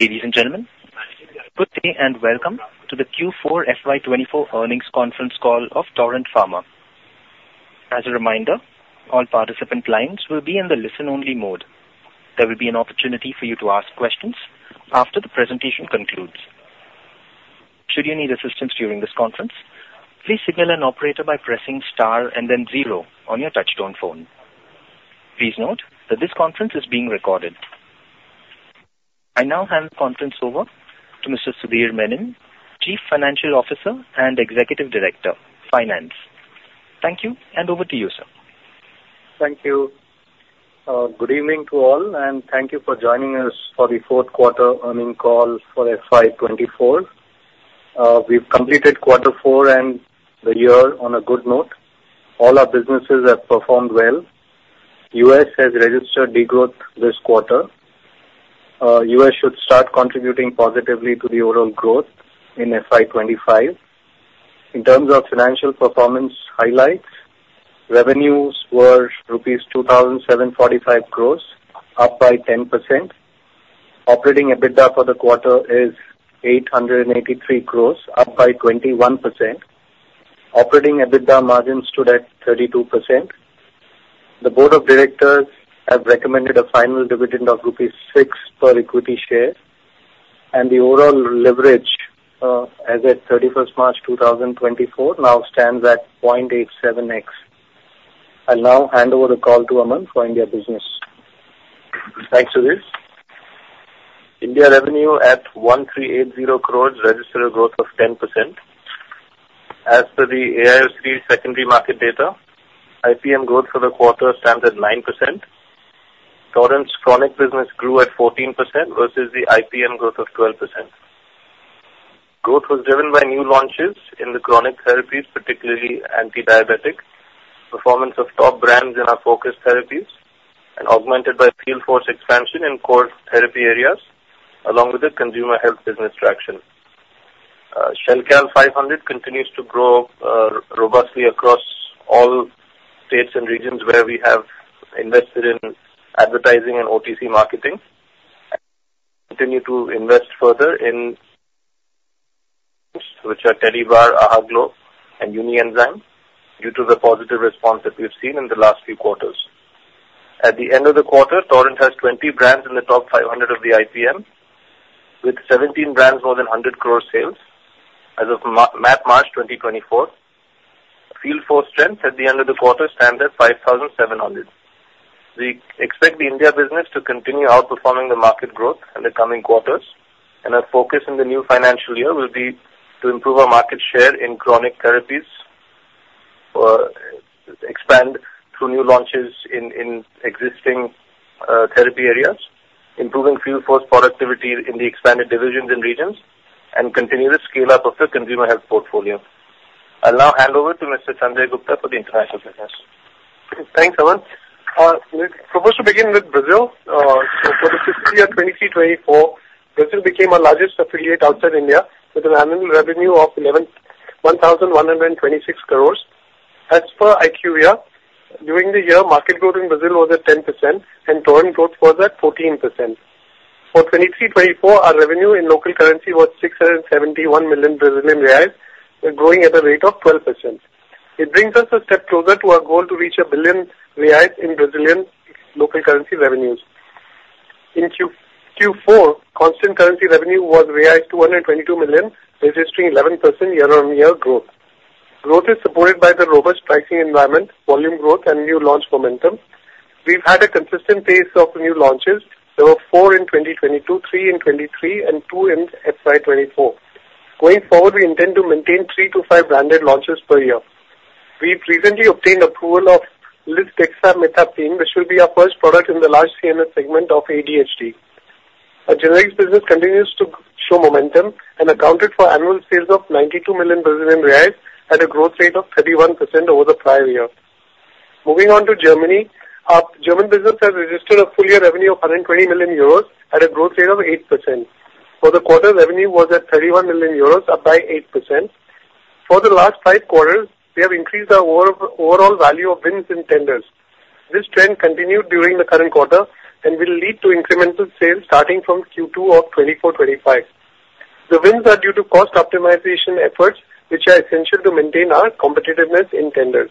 Ladies and gentlemen, good day, and welcome to the Q4 FY 2024 earnings conference call of Torrent Pharma. As a reminder, all participant lines will be in the listen-only mode. There will be an opportunity for you to ask questions after the presentation concludes. Should you need assistance during this conference, please signal an operator by pressing Star and then zero on your touchtone phone. Please note that this conference is being recorded. I now hand the conference over to Mr. Sudhir Menon, Chief Financial Officer and Executive Director, Finance. Thank you, and over to you, sir. Thank you. Good evening to all, and thank you for joining us for the fourth quarter earning call for FY 2024. We've completed quarter four and the year on a good note. All our businesses have performed well. US has registered degrowth this quarter. US should start contributing positively to the overall growth in FY 2025. In terms of financial performance highlights, revenues were rupees 2,745 crore, up by 10%. Operating EBITDA for the quarter is 883 crore, up by 21%. Operating EBITDA margins stood at 32%. The board of directors have recommended a final dividend of rupees 6 per equity share, and the overall leverage, as at 31 March 2024, now stands at 0.87x. I'll now hand over the call to Aman for India business. Thanks, Sudhir. India revenue at 1,380 crore registered a growth of 10%. As per the AIC secondary market data, IPM growth for the quarter stands at 9%. Torrent's chronic business grew at 14% versus the IPM growth of 12%. Growth was driven by new launches in the chronic therapies, particularly anti-diabetic, performance of top brands in our focus therapies, and augmented by field force expansion in core therapy areas, along with the consumer health business traction. Shelcal 500 continues to grow robustly across all states and regions where we have invested in advertising and OTC marketing. Continue to invest further in, which are Tedibar, Ahaglow, and Unienzyme, due to the positive response that we've seen in the last few quarters. At the end of the quarter, Torrent has 20 brands in the top 500 of the IPM, with 17 brands more than 100 crore sales as of March 24. Field force strength at the end of the quarter stands at 5,700. We expect the India business to continue outperforming the market growth in the coming quarters, and our focus in the new financial year will be to improve our market share in chronic therapies, expand through new launches in existing therapy areas, improving field force productivity in the expanded divisions and regions, and continue the scale-up of the consumer health portfolio. I'll now hand over to Mr. Sanjay Gupta for the international business. Thanks, Aman. We're supposed to begin with Brazil. For the fiscal year 2023-2024, Brazil became our largest affiliate outside India, with an annual revenue of 1,126 crores. As per IQVIA, during the year, market growth in Brazil was at 10% and Torrent growth was at 14%. For 2023-2024, our revenue in local currency was 671 million Brazilian reais, growing at a rate of 12%. It brings us a step closer to our goal to reach BRL 1 billion in Brazilian local currency revenues. In Q4, constant currency revenue was 222 million, registering 11% year-on-year growth. Growth is supported by the robust pricing environment, volume growth, and new launch momentum. We've had a consistent pace of new launches. There were 4 in 2022, 3 in 2023, and 2 in FY 2024. Going forward, we intend to maintain 3-5 branded launches per year. We've recently obtained approval of Lisdexamfetamine, which will be our first product in the large CNS segment of ADHD. Our generics business continues to show momentum and accounted for annual sales of 92 million Brazilian reais, at a growth rate of 31% over the prior year. Moving on to Germany. Our German business has registered a full year revenue of 120 million euros at a growth rate of 8%. For the quarter, revenue was at 31 million euros, up by 8%. For the last 5 quarters, we have increased our overall value of wins in tenders. This trend continued during the current quarter and will lead to incremental sales starting from Q2 of 2024-25. The wins are due to cost optimization efforts, which are essential to maintain our competitiveness in tenders.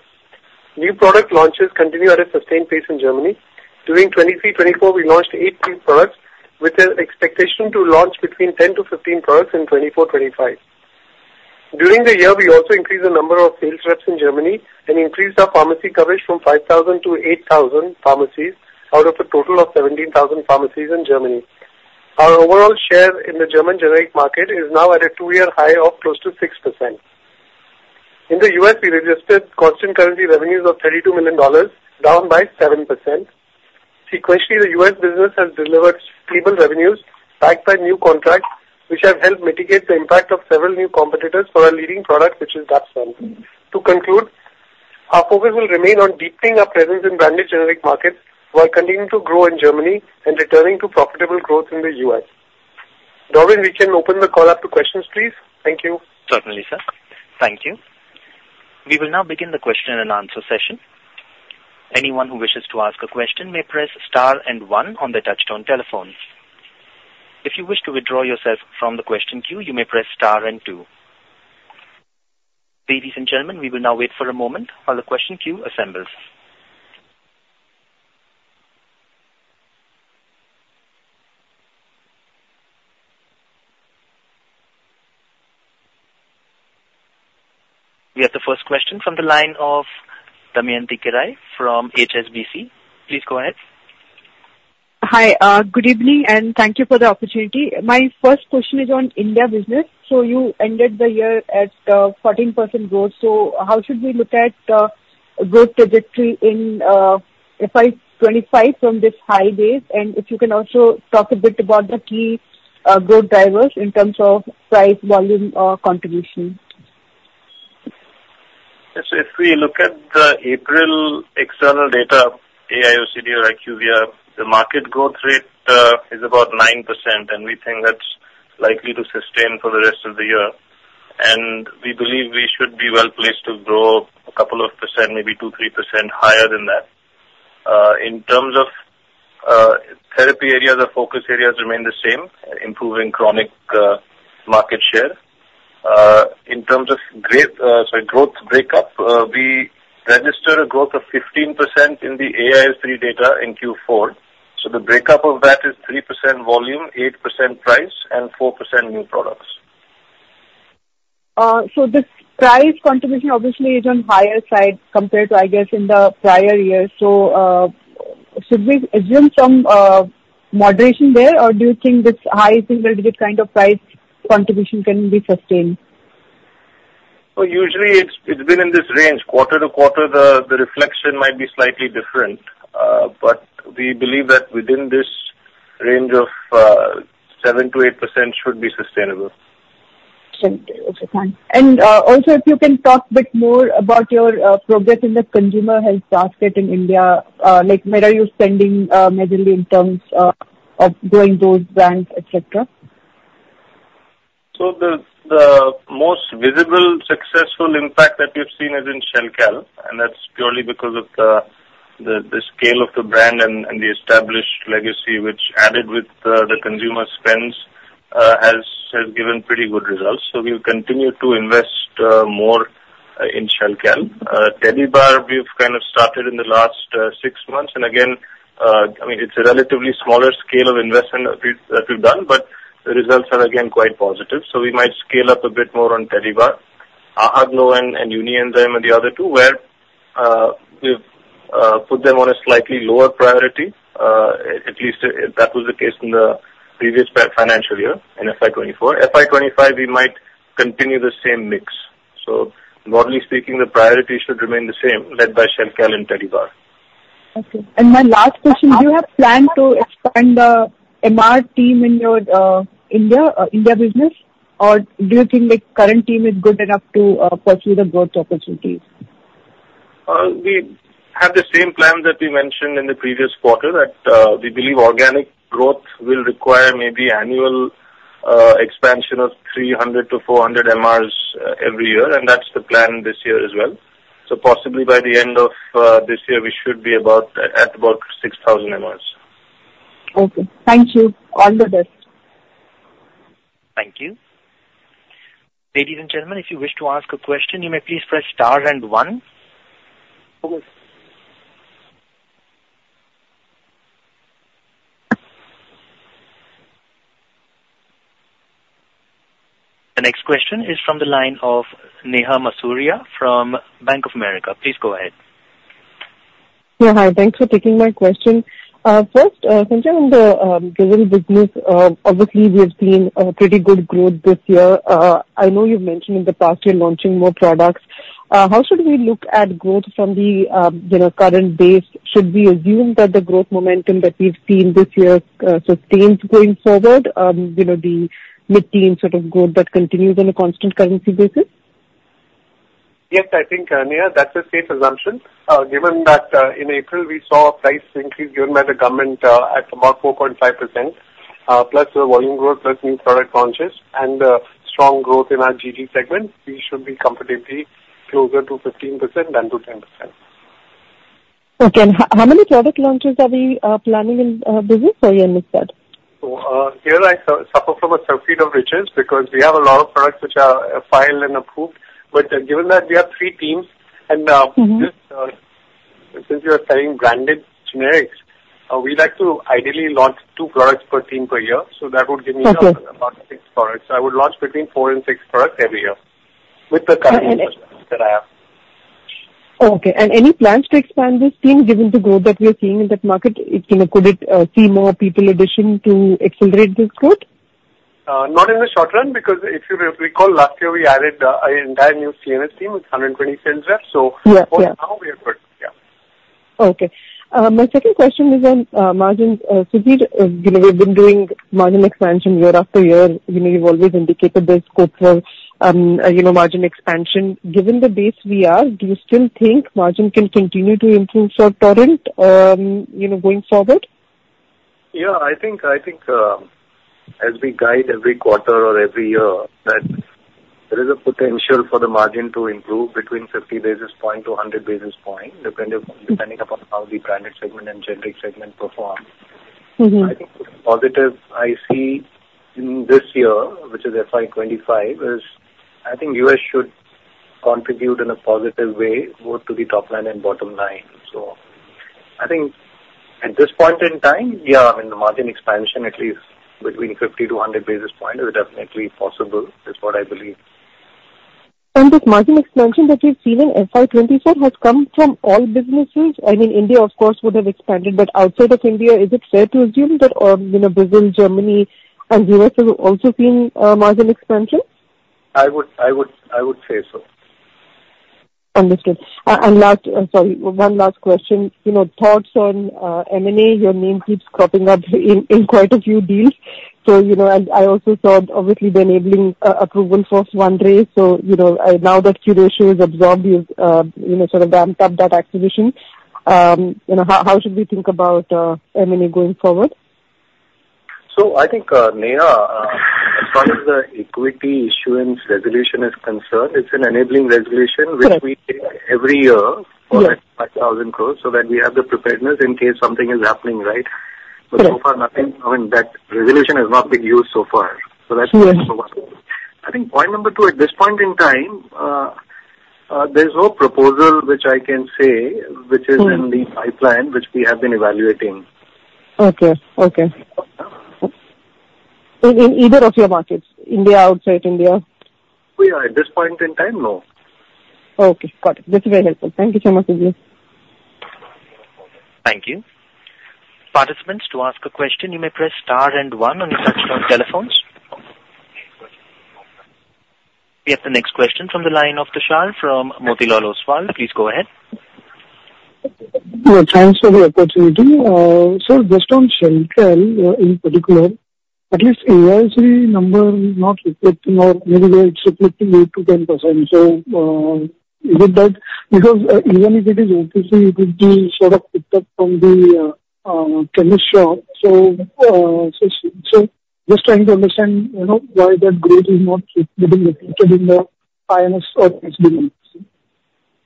New product launches continue at a sustained pace in Germany. During 2023-2024, we launched 8 new products, with an expectation to launch between 10-15 products in 2024-2025. During the year, we also increased the number of sales reps in Germany and increased our pharmacy coverage from 5,000 to 8,000 pharmacies out of a total of 17,000 pharmacies in Germany. Our overall share in the German generic market is now at a two-year high of close to 6%. In the US, we registered constant currency revenues of $32 million, down by 7%. Sequentially, the US business has delivered stable revenues, backed by new contracts, which have helped mitigate the impact of several new competitors for our leading product, which is Dapsone. To conclude, our focus will remain on deepening our presence in branded generic markets, while continuing to grow in Germany and returning to profitable growth in the US. Dorian, we can open the call up to questions, please. Thank you. Certainly, sir. Thank you. We will now begin the question and answer session… Anyone who wishes to ask a question may press star and one on their touch-tone telephone. If you wish to withdraw yourself from the question queue, you may press star and two. Ladies and gentlemen, we will now wait for a moment while the question queue assembles. We have the first question from the line of Damayanti Kerai from HSBC. Please go ahead. Hi, good evening, and thank you for the opportunity. My first question is on India business. You ended the year at 14% growth. How should we look at growth trajectory in FY25 from this high base? And if you can also talk a bit about the key growth drivers in terms of price, volume or contribution? Yes, if we look at the April external data, AIOCD or IQVIA, the market growth rate is about 9%, and we think that's likely to sustain for the rest of the year. We believe we should be well placed to grow a couple of percent, maybe 2-3% higher than that. In terms of therapy areas, the focus areas remain the same, improving chronic market share. In terms of growth, sorry, growth breakup, we registered a growth of 15% in the AIS three data in Q4. The breakup of that is 3% volume, 8% price and 4% new products. So this price contribution obviously is on higher side compared to, I guess, in the prior years. So, should we assume some moderation there? Or do you think this high single digit kind of price contribution can be sustained? Well, usually it's been in this range. Quarter to quarter, the reflection might be slightly different, but we believe that within this range of 7%-8% should be sustainable. Okay. Okay, thanks. And, also, if you can talk a bit more about your progress in the consumer health basket in India, like, where are you spending majorly in terms of, of growing those brands, et cetera? So the most visible, successful impact that we've seen is in Shelcal, and that's purely because of the scale of the brand and the established legacy, which added with the consumer spends has given pretty good results. So we'll continue to invest more in Shelcal. Tedibar, we've kind of started in the last six months, and again, I mean, it's a relatively smaller scale of investment that we've done, but the results are again, quite positive. So we might scale up a bit more on Tedibar. Ahaglow and Unienzyme and the other two, where we've put them on a slightly lower priority. At least that was the case in the previous financial year, in FY24. FY25, we might continue the same mix. Broadly speaking, the priority should remain the same, led by Shelcal and Tedibar. Okay. My last question: Do you have plan to expand the MR team in your India, India business? Or do you think the current team is good enough to pursue the growth opportunities? We have the same plan that we mentioned in the previous quarter, that we believe organic growth will require maybe annual expansion of 300-400 MRs every year, and that's the plan this year as well. So possibly by the end of this year, we should be about, at about 6,000 MRs. Okay. Thank you. All the best. Thank you. Ladies and gentlemen, if you wish to ask a question, you may please press star and one. Okay. The next question is from the line of Neha Manpuria from Bank of America. Please go ahead. Yeah, hi. Thanks for taking my question. First, Sanjay, on the general business, obviously, we have seen a pretty good growth this year. I know you've mentioned in the past you're launching more products. How should we look at growth from the, you know, current base? Should we assume that the growth momentum that we've seen this year sustains going forward, you know, the mid-teen sort of growth that continues on a constant currency basis? Yes, I think, Neha, that's a safe assumption. Given that, in April, we saw a price increase given by the government, at about 4.5%, plus the volume growth, plus new product launches and strong growth in our GG segment, we should be comfortably closer to 15% than to 10%. Okay, and how many product launches are we planning in business? Sorry, I missed that. So, here I suffer from a surfeit of riches, because we have a lot of products which are filed and approved. But given that we have three teams, and- Mm-hmm. Just, since we are selling branded generics, we like to ideally launch two products per team per year. So that would give me- Okay. About 6 products. I would launch between 4 and 6 products every year with the current that I have. Oh, okay, and any plans to expand this team, given the growth that we are seeing in that market? You know, could it see more people addition to accelerate this growth? Not in the short run, because if you recall, last year, we added an entire new CNS team with 120 sales reps. So- Yeah. Yeah. For now, we are good. Yeah. Okay. My second question is on margins. So we, you know, we've been doing margin expansion year after year. You know, you've always indicated there's scope for, you know, margin expansion. Given the base we are, do you still think margin can continue to improve for Torrent, you know, going forward?... Yeah, I think, I think, as we guide every quarter or every year, that there is a potential for the margin to improve between 50 basis points to 100 basis points, depending upon how the branded segment and generic segment perform. Mm-hmm. I think positive I see in this year, which is FY25, is I think U.S. should contribute in a positive way, both to the top line and bottom line. So I think at this point in time, yeah, I mean, the margin expansion, at least between 50-100 basis point, is definitely possible. That's what I believe. This margin expansion that we've seen in FY24 has come from all businesses? I mean, India, of course, would have expanded, but outside of India, is it fair to assume that, you know, Brazil, Germany, and US have also seen margin expansion? I would say so. Understood. And last... I'm sorry, one last question. You know, thoughts on, M&A, your name keeps cropping up in, in quite a few deals. So, you know, and I also thought, obviously, the enabling, approval for one race. So, you know, now that Curatio is absorbed, you've, you know, sort of ramped up that acquisition. You know, how, how should we think about, M&A going forward? I think, Neha, as far as the equity issuance resolution is concerned, it's an enabling resolution. Right. which we take every year Right. -for 5,000 crore, so that we have the preparedness in case something is happening, right? Right. But so far, nothing. I mean, that resolution has not been used so far. Sure. So that's number one. I think point number two, at this point in time, there's no proposal which I can say- Mm. which is in the pipeline, which we have been evaluating. Okay. Okay. In either of your markets, India, outside India? Oh, yeah, at this point in time, no. Okay, got it. That's very helpful. Thank you so much, Sanjay. Thank you. Participants, to ask a question, you may press star and one on your touchtone telephones. We have the next question from the line of Tushar from Motilal Oswal. Please go ahead. Yeah, thanks for the opportunity. So just on Shelcal, in particular, at least AIC number not reflecting or maybe it's reflecting 8%-10%. So, is it that because even if it is OTC, it would be sort of picked up from the, chemist shop. So, so just trying to understand, you know, why that growth is not being reflected in the IS or XD?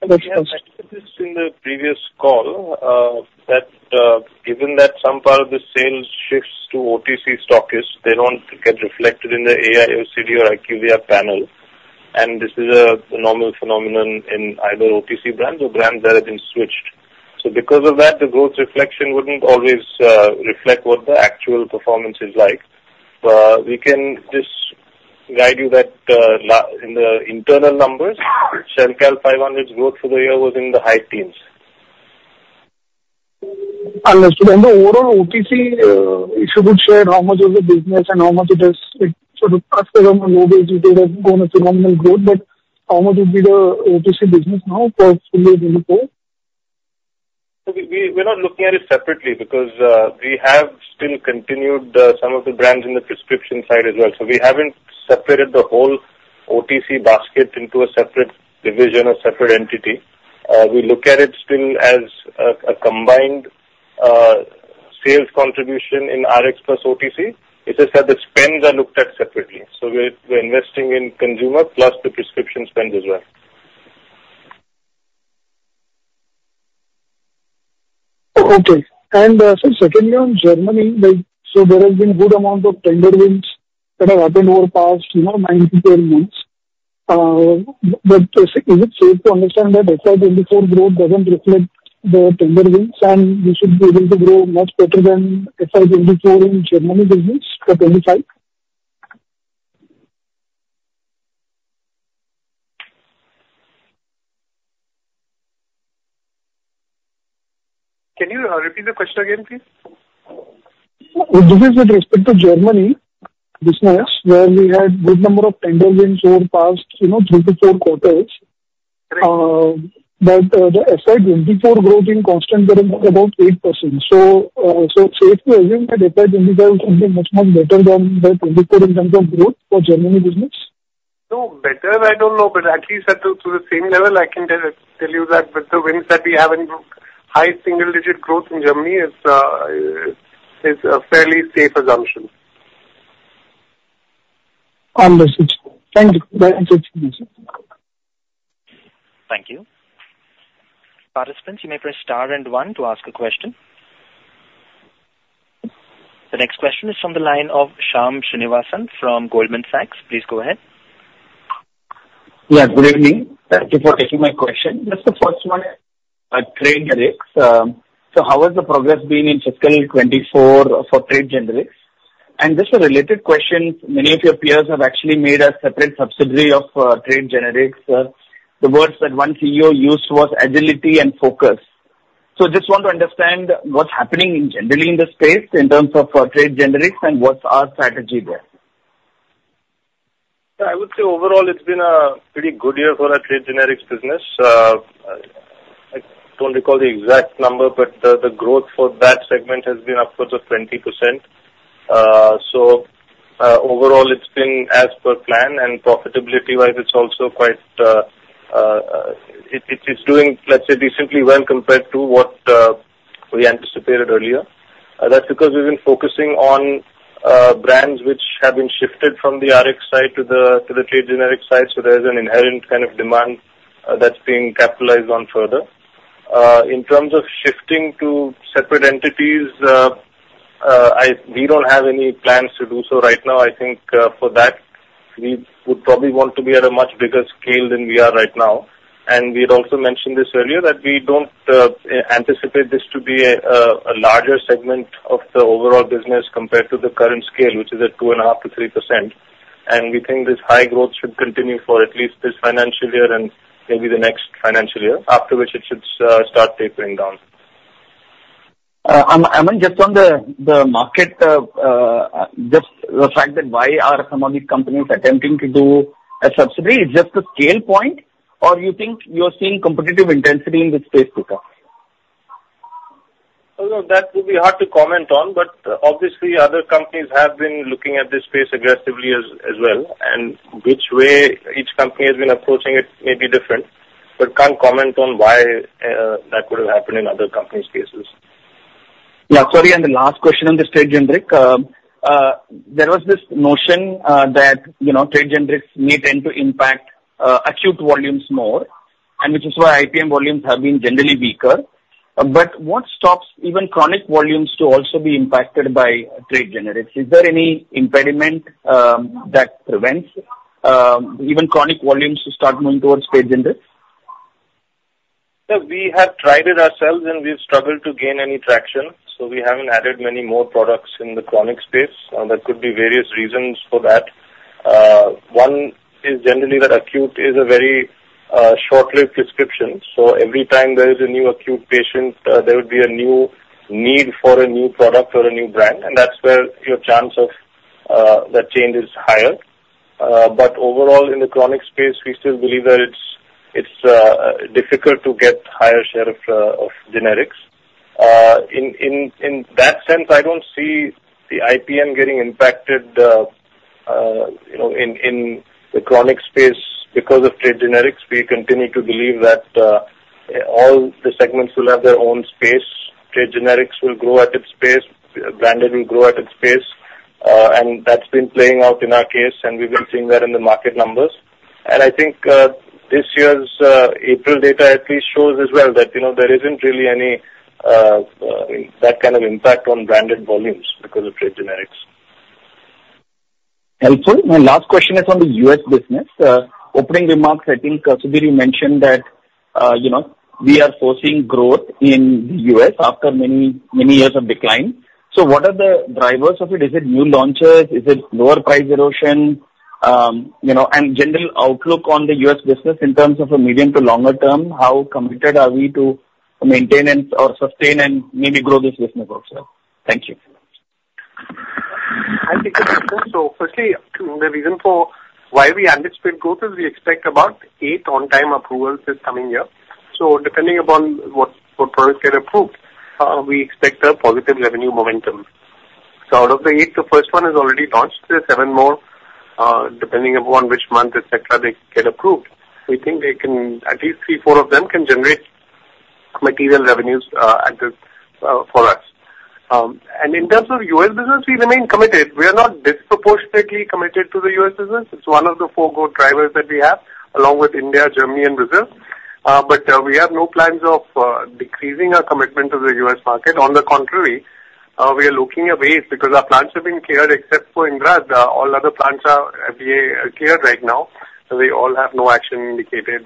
I said this in the previous call, that, given that some part of the sales shifts to OTC stockists, they don't get reflected in the AIOCD or IQVIA panel. And this is a normal phenomenon in either OTC brands or brands that have been switched. So because of that, the growth reflection wouldn't always reflect what the actual performance is like. We can just guide you that in the internal numbers, Shelcal 500 growth for the year was in the high teens. Understood. The overall OTC, if you could share how much of the business and how much it is, it sort of crossed around the low digits, it has gone to nominal growth, but how much would be the OTC business now for full? So we, we're not looking at it separately, because, we have still continued, some of the brands in the prescription side as well. So we haven't separated the whole OTC basket into a separate division or separate entity. We look at it still as a, a combined, sales contribution in Rx plus OTC. It's just that the spends are looked at separately. So we're, we're investing in consumer plus the prescription spend as well. Okay. And so secondly, on Germany, like, so there has been good amount of tender wins that have happened over the past, you know, 9-10 months. But is it safe to understand that FY 2024 growth doesn't reflect the tender wins, and you should be able to grow much better than FY 2024 in Germany business for 2025? Can you repeat the question again, please? This is with respect to Germany business, where we had good number of tender wins over the past, you know, 3-4 quarters. Right. But the FY24 growth in constant currency about 8%. So safe to assume that FY25 will be much more better than the 24 in terms of growth for Germany business? No, better, I don't know, but at least at the, to the same level, I can tell you that with the wins that we have in group, high single digit growth in Germany is, is a fairly safe assumption. Understood. Thank you. Thank you. Participants, you may press star and one to ask a question. The next question is from the line of Shyam Srinivasan from Goldman Sachs. Please go ahead. Yeah, good evening. Thank you for taking my question. Just the first one, trade generics. So how has the progress been in fiscal 2024 for trade generics? And just a related question, many of your peers have actually made a separate subsidiary of, trade generics. The words that one CEO used was agility and focus. So just want to understand what's happening in generally in the space in terms of, trade generics and what's our strategy there? I would say overall it's been a pretty good year for our trade generics business. I don't recall the exact number, but the growth for that segment has been upwards of 20%. So, overall, it's been as per plan, and profitability-wise, it's also quite... It is doing, let's say, decently well compared to what we anticipated earlier. That's because we've been focusing on brands which have been shifted from the RX side to the trade generic side, so there is an inherent kind of demand that's being capitalized on further. In terms of shifting to separate entities, we don't have any plans to do so right now. I think, for that, we would probably want to be at a much bigger scale than we are right now. We had also mentioned this earlier, that we don't anticipate this to be a larger segment of the overall business compared to the current scale, which is at 2.5%-3%. We think this high growth should continue for at least this financial year and maybe the next financial year, after which it should start tapering down. Aman, just on the market, just the fact that why are some of these companies attempting to do a subsidiary? It's just a scale point, or you think you are seeing competitive intensity in this space too? Well, that would be hard to comment on, but obviously, other companies have been looking at this space aggressively as well, and which way each company has been approaching it may be different, but can't comment on why that could have happened in other companies' cases. Yeah, sorry. The last question on this trade generic. There was this notion that, you know, trade generics may tend to impact acute volumes more, and which is why IPM volumes have been generally weaker. But what stops even chronic volumes to also be impacted by trade generics? Is there any impediment that prevents even chronic volumes to start moving towards trade generics? Yeah, we have tried it ourselves, and we've struggled to gain any traction, so we haven't added many more products in the chronic space. There could be various reasons for that. One is generally that acute is a very short-lived prescription, so every time there is a new acute patient, there would be a new need for a new product or a new brand, and that's where your chance of that change is higher. But overall, in the chronic space, we still believe that it's difficult to get higher share of generics. In that sense, I don't see the IPM getting impacted, you know, in the chronic space because of trade generics. We continue to believe that all the segments will have their own space. Trade generics will grow at its pace, branded will grow at its pace, and that's been playing out in our case, and we've been seeing that in the market numbers. I think, this year's April data at least shows as well, that, you know, there isn't really any, that kind of impact on branded volumes because of trade generics. And so my last question is on the US business. Opening remarks, I think, Sudhir mentioned that, you know, we are foreseeing growth in the US after many, many years of decline. So what are the drivers of it? Is it new launches? Is it lower price erosion? You know, and general outlook on the US business in terms of a medium to longer term, how committed are we to maintain and/or sustain and maybe grow this business also? Thank you. Thank you. So firstly, the reason for why we anticipate growth is we expect about 8 on-time approvals this coming year. So depending upon what products get approved, we expect a positive revenue momentum. So out of the 8, the first one is already launched. There are 7 more, depending upon which month, et cetera, they get approved. We think they can, at least 3, 4 of them can generate material revenues, at this, for us. And in terms of US business, we remain committed. We are not disproportionately committed to the US business. It's one of the 4 growth drivers that we have, along with India, Germany, and Brazil. But we have no plans of decreasing our commitment to the US market. On the contrary, we are looking at ways because our plants have been cleared, except for Indrad. All other plants are FDA cleared right now, so they all have no action indicated.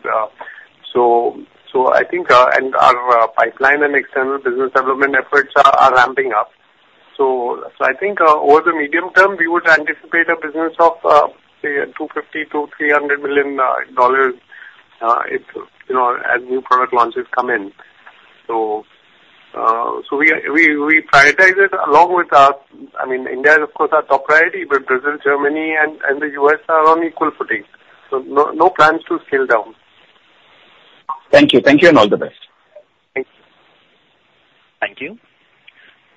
So, I think, and our pipeline and external business development efforts are ramping up. So, I think, over the medium term, we would anticipate a business of, say, $250 million-$300 million, if, you know, as new product launches come in. So, we prioritize it along with our... I mean, India is of course our top priority, but Brazil, Germany, and the US are on equal footing. So no plans to scale down. Thank you. Thank you and all the best. Thank you. Thank you.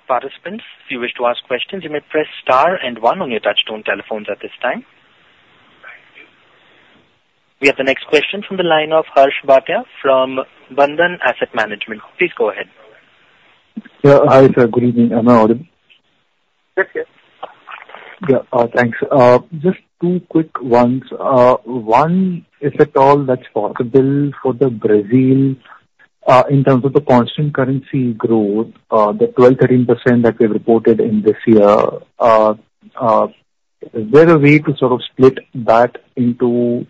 Participants, if you wish to ask questions, you may press star and one on your touchtone telephones at this time. We have the next question from the line of Harsh Bhatia from Bandhan Asset Management. Please go ahead. Yeah. Hi, sir. Good evening. Am I audible? Yes, yes. Yeah. Thanks. Just two quick ones. One, if at all, that's possible for the Brazil, in terms of the constant currency growth, the 12%-13% that we've reported in this year, is there a way to sort of split that into,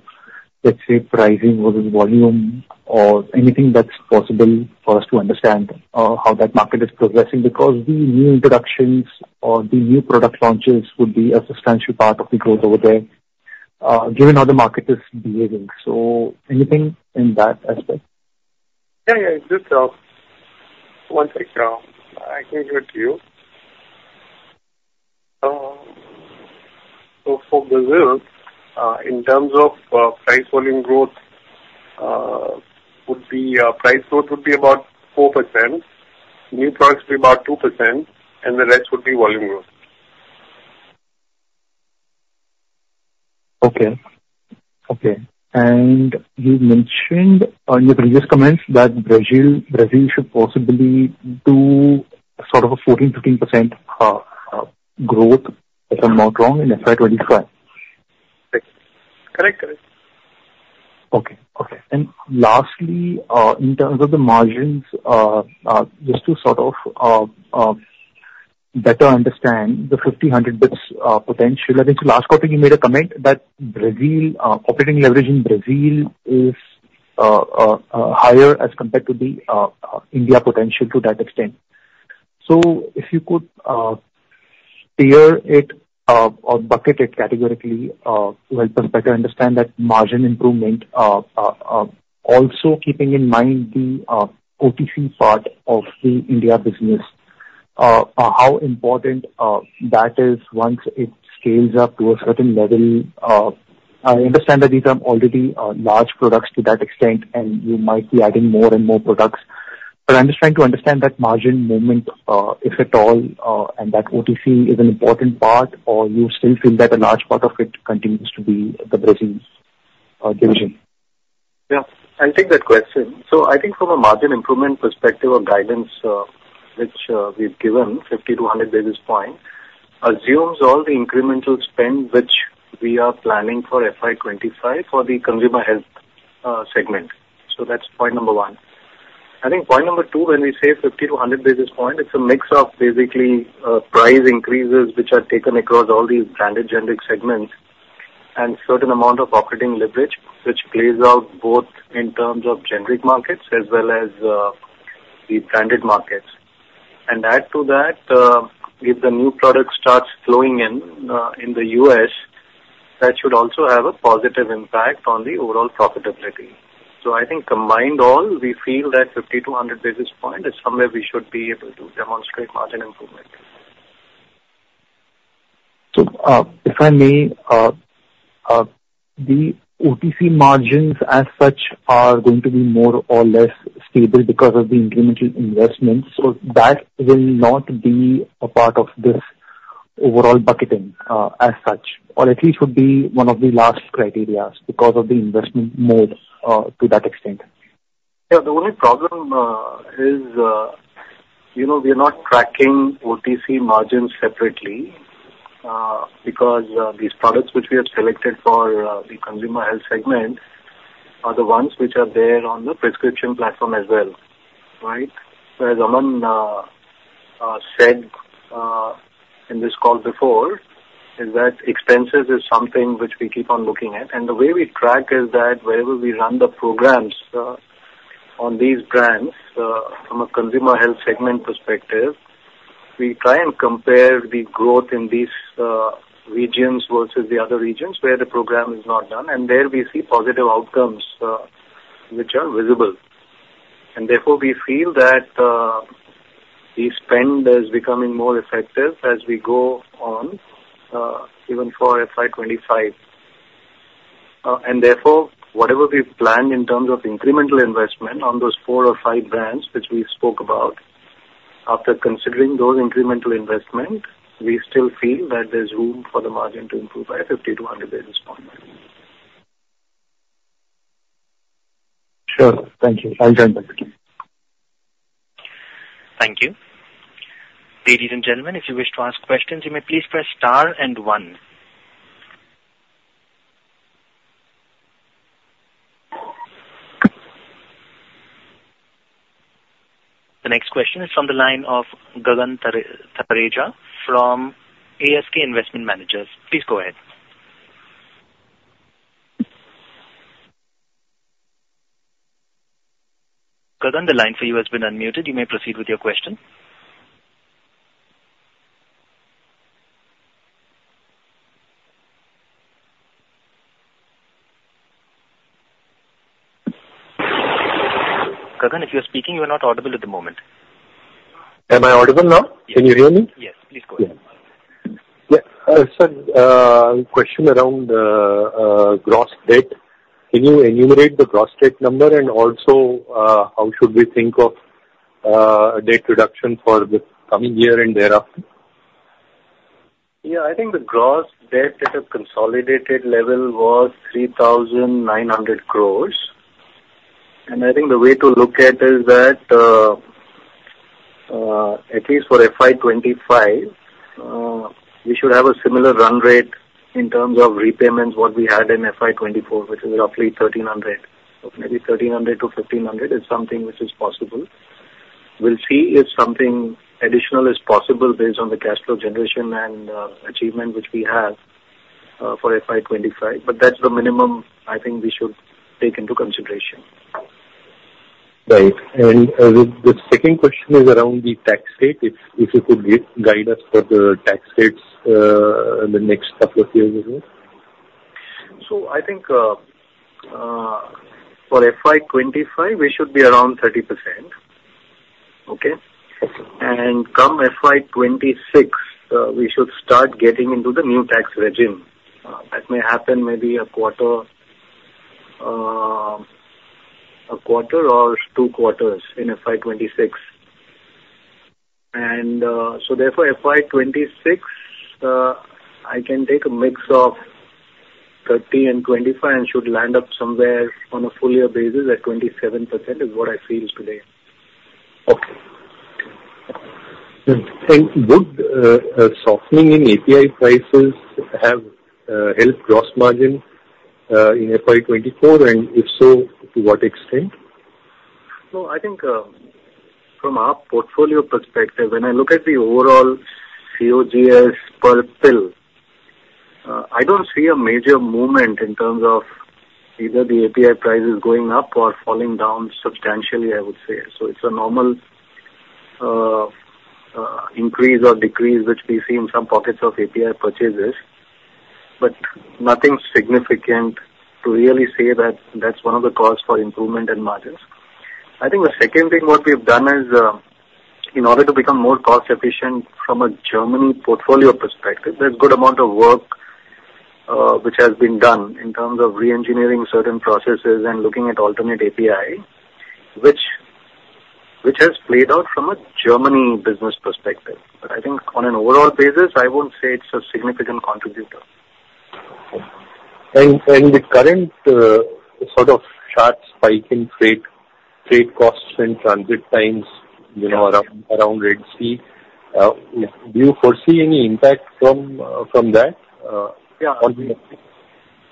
let's say, pricing versus volume or anything that's possible for us to understand, how that market is progressing? Because the new introductions or the new product launches would be a substantial part of the growth over there, given how the market is behaving. So anything in that aspect? Yeah, yeah. Good call. One second. I can give it to you. So for Brazil, in terms of, price volume growth, would be, price growth would be about 4%, new products will be about 2%, and the rest would be volume growth.... Okay. Okay, and you mentioned in your previous comments that Brazil, Brazil should possibly do sort of a 14%-15% growth, if I'm not wrong, in FY25. Correct, correct. Okay. And lastly, in terms of the margins, just to sort of better understand the 50-100 bps potential. I think the last quarter you made a comment that Brazil operating leverage in Brazil is higher as compared to the India potential to that extent. So if you could tier it or bucket it categorically, we'll better understand that margin improvement, also keeping in mind the OTC part of the India business, how important that is once it scales up to a certain level. I understand that these are already large products to that extent, and you might be adding more and more products, but I'm just trying to understand that margin movement, if at all, and that OTC is an important part, or you still feel that a large part of it continues to be the Brazil division. Yeah, I'll take that question. So I think from a margin improvement perspective or guidance, which we've given 50-100 basis points, assumes all the incremental spend, which we are planning for FY25 for the consumer health segment. So that's point number one. I think point number two, when we say 50-100 basis point, it's a mix of basically, price increases, which are taken across all these branded generic segments, and certain amount of operating leverage, which plays out both in terms of generic markets as well as, the branded markets. And add to that, if the new product starts flowing in, in the US, that should also have a positive impact on the overall profitability. So I think combined all, we feel that 50-100 basis point is somewhere we should be able to demonstrate margin improvement. So, if I may, the OTC margins as such are going to be more or less stable because of the incremental investments. So that will not be a part of this overall bucketing, as such, or at least would be one of the last criteria because of the investment made, to that extent. Yeah, the only problem is, you know, we are not tracking OTC margins separately, because these products which we have selected for the consumer health segment are the ones which are there on the prescription platform as well, right? So as Aman said in this call before, is that expenses is something which we keep on looking at. And the way we track is that wherever we run the programs on these brands from a consumer health segment perspective, we try and compare the growth in these regions versus the other regions where the program is not done, and there we see positive outcomes which are visible. And therefore, we feel that the spend is becoming more effective as we go on even for FY 25. And therefore, whatever we've planned in terms of incremental investment on those 4 or 5 brands which we spoke about, after considering those incremental investments, we still feel that there's room for the margin to improve by 50-100 basis points. Sure. Thank you. I'll turn back. Thank you. Ladies and gentlemen, if you wish to ask questions, you may please press star and one. The next question is from the line of Gagan Thareja from ASK Investment Managers. Please go ahead. Gagan, the line for you has been unmuted. You may proceed with your question. Gagan, if you're speaking, you are not audible at the moment. Am I audible now? Yes. Can you hear me? Yes. Please go ahead. Yeah. So, question around gross debt. Can you enumerate the gross debt number? And also, how should we think of debt reduction for the coming year and thereafter? Yeah, I think the gross debt at a consolidated level was 3,900 crores. I think the way to look at is that, at least for FY25, we should have a similar run rate in terms of repayments what we had in FY24, which is roughly 1,300 crores. So maybe 1,300 crores-1,500 crores is something which is possible. We'll see if something additional is possible based on the cash flow generation and, achievement, which we have, for FY25, but that's the minimum I think we should take into consideration. Right. And the second question is around the tax rate. If you could guide us for the tax rates in the next couple of years as well. So I think, for FY25, we should be around 30%. Okay? Okay. And come FY26, we should start getting into the new tax regime. That may happen maybe a quarter, a quarter or two quarters in FY26. And, so therefore, FY26, I can take a mix of 30 and 25, and should land up somewhere on a full year basis at 27% is what I feel today. Okay. And would a softening in API prices have helped gross margin in FY24, and if so, to what extent? No, I think, from our portfolio perspective, when I look at the overall COGS per pill, I don't see a major movement in terms of either the API prices going up or falling down substantially, I would say. So it's a normal, increase or decrease, which we see in some pockets of API purchases, but nothing significant to really say that that's one of the cause for improvement in margins. I think the second thing what we've done is, in order to become more cost efficient from a Germany portfolio perspective, there's a good amount of work, which has been done in terms of reengineering certain processes and looking at alternate API, which has played out from a Germany business perspective. But I think on an overall basis, I won't say it's a significant contributor. The current sort of sharp spike in freight costs and transit times, you know, around Red Sea, do you foresee any impact from that on? Yeah.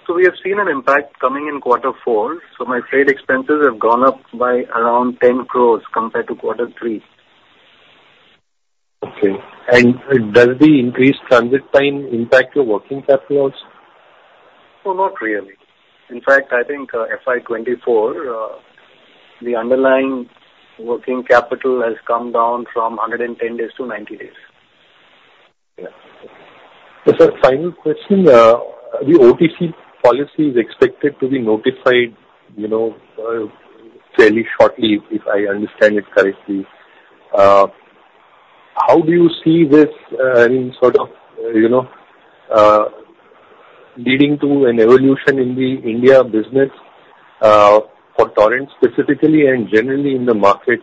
So we have seen an impact coming in quarter four. So my freight expenses have gone up by around 10 crore compared to quarter three. Okay. Does the increased transit time impact your working capital also? No, not really. In fact, I think, FY24, the underlying working capital has come down from 110 days to 90 days. Yeah. So final question, the OTC policy is expected to be notified, you know, fairly shortly, if I understand it correctly. How do you see this, I mean, sort of, you know, leading to an evolution in the India business, for Torrent specifically, and generally in the market,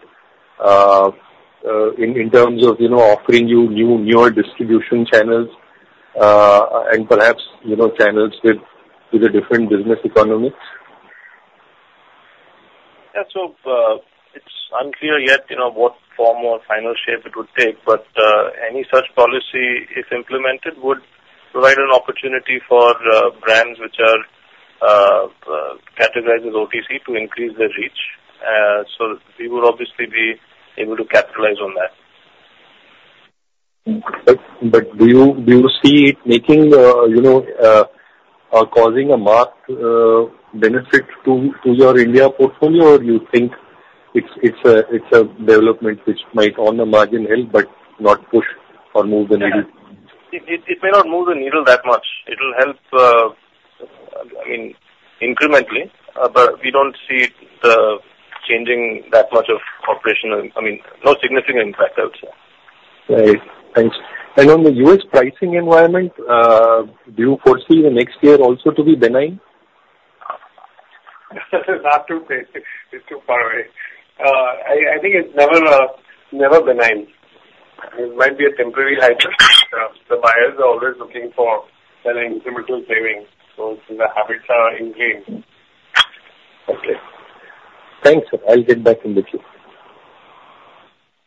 in terms of, you know, offering you new, newer distribution channels, and perhaps, you know, channels with a different business economics? Yeah. So, it's unclear yet, you know, what form or final shape it would take, but, any such policy, if implemented, would provide an opportunity for, brands which are, categorized as OTC to increase their reach. So we would obviously be able to capitalize on that. But, do you see it making, you know, or causing a marked benefit to your India portfolio? Or you think it's a development which might on the margin help but not push or move the needle? It may not move the needle that much. It'll help, I mean, incrementally, but we don't see it changing that much of operational... I mean, no significant impact, I would say. Right. Thanks. And on the U.S. pricing environment, do you foresee the next year also to be benign? It's hard to say. It's too far away. I think it's never, never benign. It might be a temporary high. The buyers are always looking for an incremental saving, so the habits are ingrained. Okay. Thanks. I'll get back in the queue.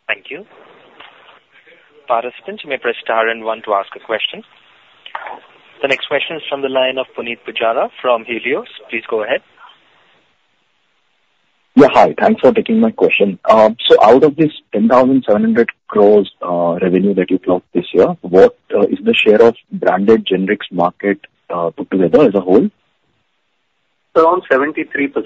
Thank you. Participants, you may press star and one to ask a question. The next question is from the line of Punit Pujara from Helios. Please go ahead. Yeah, hi. Thanks for taking my question. So out of this 10,700 crore revenue that you clocked this year, what is the share of branded generics market, put together as a whole? Around 73%.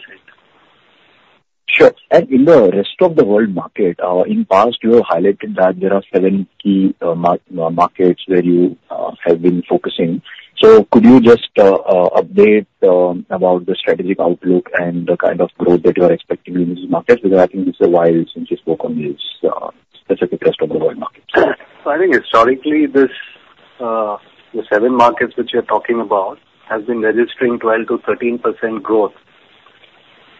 Sure. And in the rest of the world market, in past, you have highlighted that there are seven key markets where you have been focusing. So could you just update about the strategic outlook and the kind of growth that you are expecting in this market? Because I think it's a while since you spoke on this specific rest of the world market. So I think historically, this, the seven markets which you're talking about, has been registering 12%-13% growth.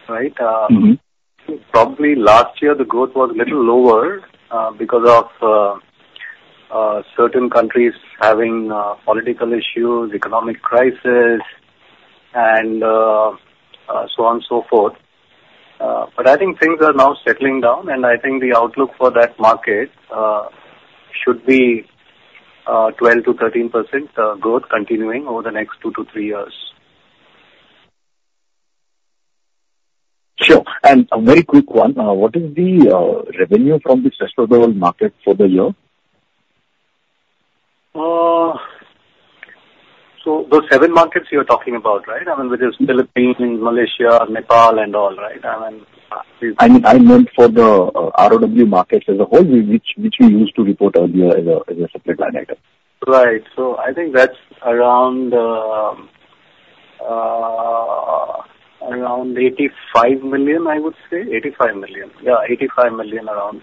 Right? Mm-hmm. Probably last year, the growth was a little lower, because of certain countries having political issues, economic crisis, and so on and so forth. But I think things are now settling down, and I think the outlook for that market should be 12%-13% growth continuing over the next 2-3 years. Sure. And a very quick one: what is the revenue from the rest of the world market for the year? So those seven markets you're talking about, right? I mean, which is Philippines, Malaysia, Nepal and all, right? I mean- I, I meant for the ROW markets as a whole, which, which we used to report earlier as a, as a separate line item. Right. So I think that's around 85 million, I would say. 85 million. Yeah, 85 million around.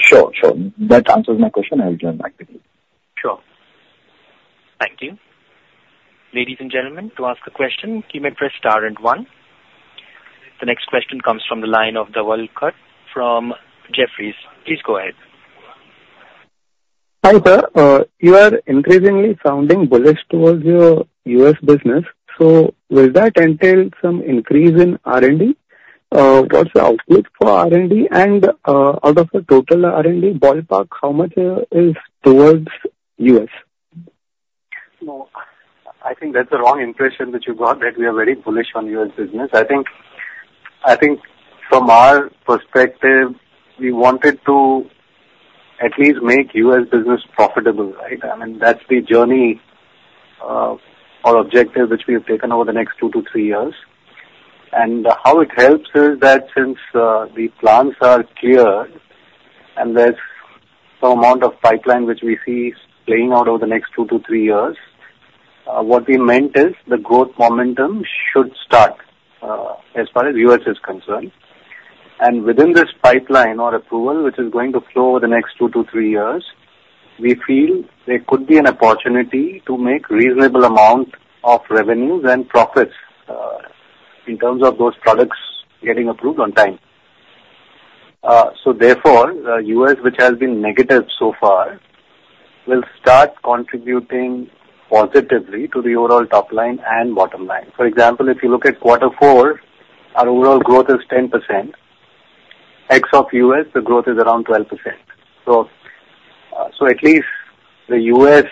Sure. Sure. That answers my question. I'll join back with you. Sure.... Thank you. Ladies and gentlemen, to ask a question, you may press star and one. The next question comes from the line of Dhawal Khut from Jefferies. Please go ahead. Hi, sir. You are increasingly sounding bullish towards your US business, so will that entail some increase in R&D? What's the outlook for R&D? And, out of the total R&D ballpark, how much is towards US? No, I think that's the wrong impression which you got, that we are very bullish on U.S. business. I think, I think from our perspective, we wanted to at least make U.S. business profitable, right? I mean, that's the journey or objective which we have taken over the next 2-3 years. And how it helps is that since the plans are clear and there's some amount of pipeline which we see playing out over the next 2-3 years, what we meant is the growth momentum should start, as far as U.S. is concerned. And within this pipeline or approval, which is going to flow over the next 2-3 years, we feel there could be an opportunity to make reasonable amount of revenues and profits, in terms of those products getting approved on time. So therefore, the US, which has been negative so far, will start contributing positively to the overall top line and bottom line. For example, if you look at quarter four, our overall growth is 10%. Ex of US, the growth is around 12%. So, so at least the US,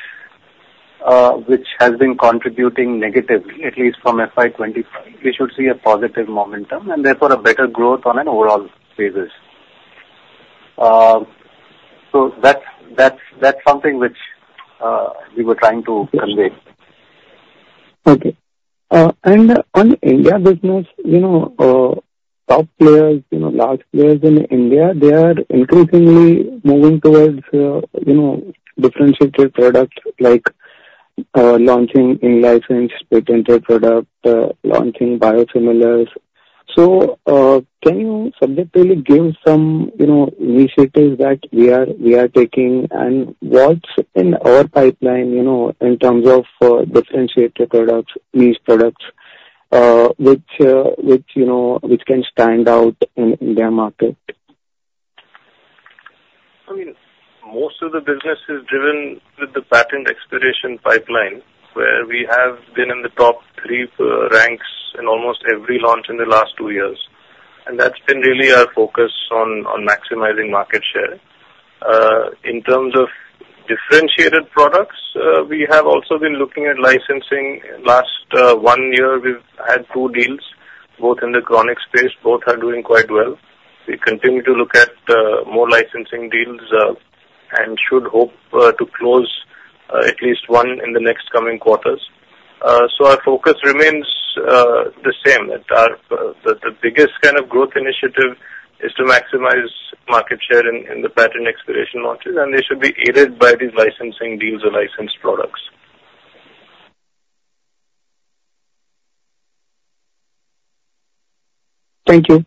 which has been contributing negatively, at least from FY 2025, we should see a positive momentum and therefore a better growth on an overall basis. So that's, that's, that's something which, we were trying to convey. Okay. And on India business, you know, top players, you know, large players in India, they are increasingly moving towards, you know, differentiated products like, launching in-licensed patented product, launching biosimilars. So, can you subjectively give some, you know, initiatives that we are, we are taking, and what's in our pipeline, you know, in terms of, differentiated products, niche products, which, which you know, which can stand out in India market? I mean, most of the business is driven with the patent expiration pipeline, where we have been in the top three ranks in almost every launch in the last two years, and that's been really our focus on maximizing market share. In terms of differentiated products, we have also been looking at licensing. Last one year, we've had two deals, both in the chronic space. Both are doing quite well. We continue to look at more licensing deals and should hope to close at least one in the next coming quarters. So our focus remains the same. That our the biggest kind of growth initiative is to maximize market share in the patent expiration launches, and they should be aided by these licensing deals or licensed products. Thank you.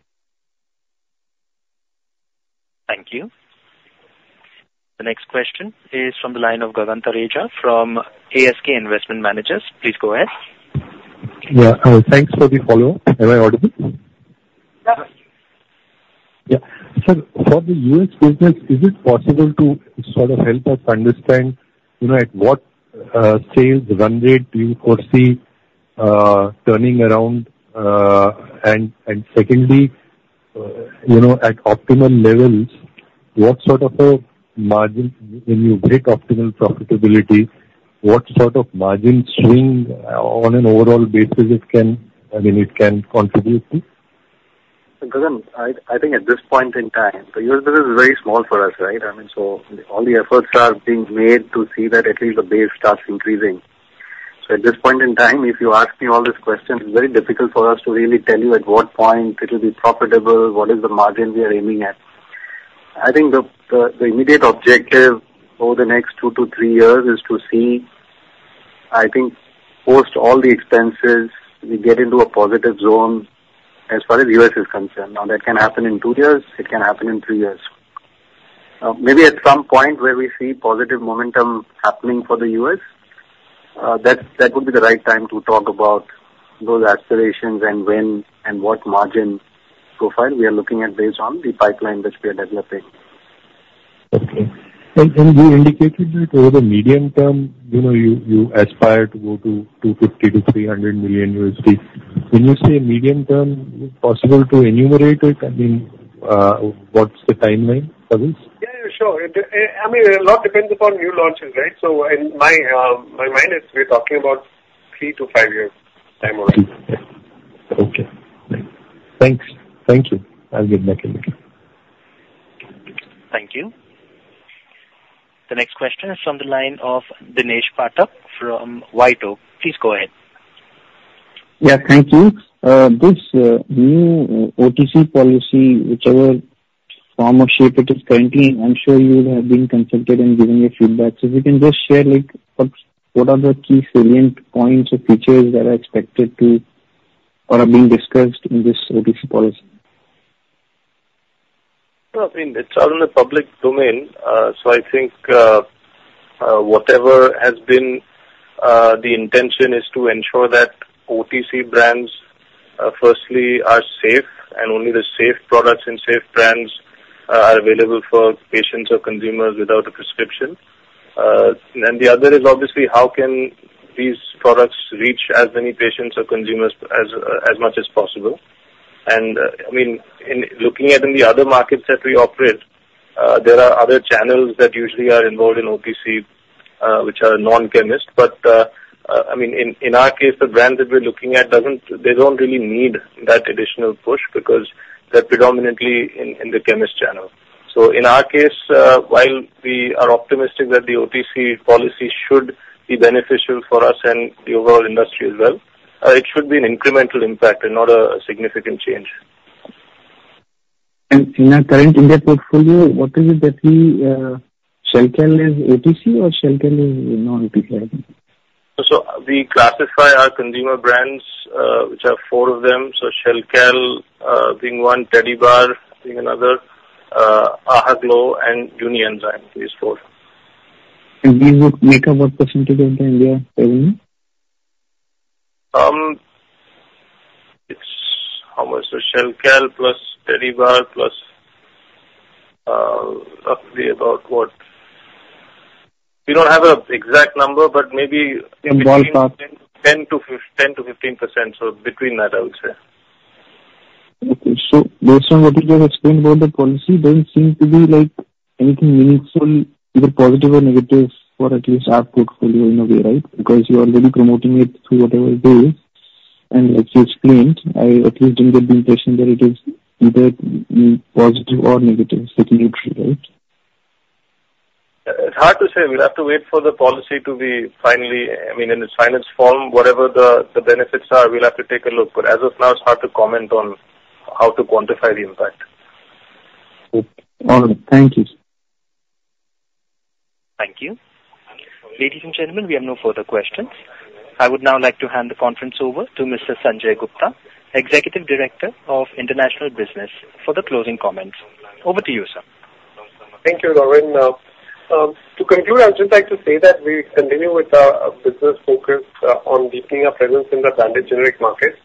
Thank you. The next question is from the line of Gagan Thareja from ASK Investment Managers. Please go ahead. Yeah. Thanks for the follow-up. Am I audible? Yeah. Yeah. So for the U.S. business, is it possible to sort of help us understand, you know, at what sales run rate do you foresee turning around? And secondly, you know, at optimum levels, what sort of a margin, when you break optimal profitability, what sort of margin swing on an overall basis it can, I mean, it can contribute to? Gagan, I think at this point in time, the US business is very small for us, right? I mean, so all the efforts are being made to see that at least the base starts increasing. So at this point in time, if you ask me all these questions, it's very difficult for us to really tell you at what point it will be profitable, what is the margin we are aiming at. I think the immediate objective over the next two to three years is to see, I think, post all the expenses, we get into a positive zone as far as US is concerned. Now, that can happen in two years, it can happen in three years. Maybe at some point where we see positive momentum happening for the US, that would be the right time to talk about those accelerations and when and what margin profile we are looking at based on the pipeline which we are developing. Okay. And you indicated that over the medium term, you know, you aspire to go to $250 million-$300 million. When you say medium term, is it possible to enumerate it? I mean, what's the timeline for this? Yeah, yeah. Sure. It, I mean, a lot depends upon new launches, right? So in my mind is we're talking about three to five years time horizon. Okay, thank you. Thanks. Thank you. I'll get back to you. Thank you. The next question is from the line of Dheeresh Pathak from WhiteOak Capital. Please go ahead. Yeah, thank you. This new OTC policy, whichever form or shape it is currently, I'm sure you will have been consulted and given your feedback. So if you can just share, like, what, what are the key salient points or features that are expected to or are being discussed in this OTC policy? ... No, I mean, it's out in the public domain, so I think, whatever has been, the intention is to ensure that OTC brands, firstly are safe, and only the safe products and safe brands are available for patients or consumers without a prescription. And the other is obviously, how can these products reach as many patients or consumers as much as possible? And, I mean, in looking at the other markets that we operate, there are other channels that usually are involved in OTC, which are non-chemist, but, I mean, in our case, the brand that we're looking at doesn't. They don't really need that additional push because they're predominantly in the chemist channel. So in our case, while we are optimistic that the OTC policy should be beneficial for us and the overall industry as well, it should be an incremental impact and not a significant change. In your current India portfolio, what is it that we, Shelcal is ATC or Shelcal is non-ATC, I think? We classify our consumer brands, which are four of them, so Shelcal, being one, Tedibar, being another, Ahaglow and Unienzyme, these four. These would make up what percentage of the India revenue? It's how much? So Shelcal plus Tedibar plus, roughly about what... We don't have a exact number, but maybe- About half. 10%-15%, so between that, I would say. Okay. So based on what you just explained about the policy, doesn't seem to be like anything meaningful, either positive or negative, for at least our portfolio in a way, right? Because you are already promoting it through whatever it is. And as you explained, I at least didn't get the impression that it is either positive or negative, significantly, right? It's hard to say. We'll have to wait for the policy to be finally—I mean, in its final form, whatever the benefits are, we'll have to take a look. But as of now, it's hard to comment on how to quantify the impact. Okay. All right. Thank you. Thank you. Ladies and gentlemen, we have no further questions. I would now like to hand the conference over to Mr. Sanjay Gupta, Executive Director of International Business, for the closing comments. Over to you, sir. Thank you, Lauren. To conclude, I'd just like to say that we continue with our business focus on deepening our presence in the branded generic market,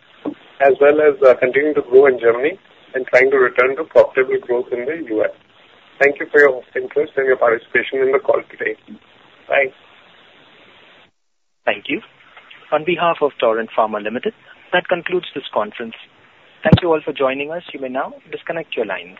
as well as continuing to grow in Germany and trying to return to profitable growth in the U.S. Thank you for your interest and your participation in the call today. Bye. Thank you. On behalf of Torrent Pharmaceuticals Limited, that concludes this conference. Thank you all for joining us. You may now disconnect your lines.